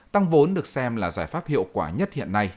tăng vốn được xem là giải pháp hiệu quả nhất hiện nay